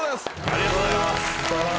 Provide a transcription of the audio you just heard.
ありがとうございます